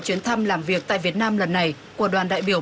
chuyến thăm làm việc tại việt nam lần này của đoàn đại biểu